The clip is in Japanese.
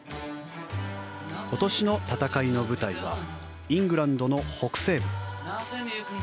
今年の戦いの舞台はイングランドの北西部。